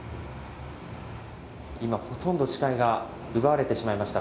今、ほとんど視界が奪われてしまいました。